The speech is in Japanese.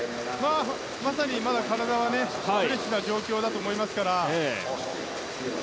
まさに、まだ体はフレッシュな状況だと思います。